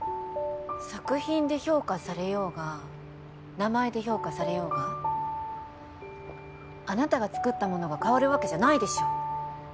作品で評価されようが名前で評価されようがあなたが作ったものが変わるわけじゃないでしょ。